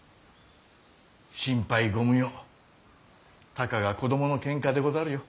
心配ご無用たかが子供のケンカでござるよ。